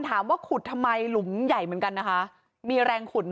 ถามว่าขุดทำไมหลุมใหญ่เหมือนกันนะคะมีแรงขุด